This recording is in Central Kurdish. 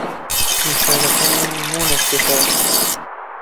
نیشانەکانی ناناسیتەوە؟